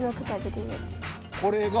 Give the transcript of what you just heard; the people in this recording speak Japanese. これが。